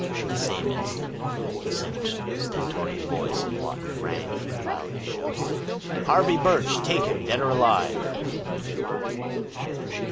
At the same instant, the stentorian voice of Lawton rang through the valley, shouting,— "Harvey Birch—take him, dead or alive!"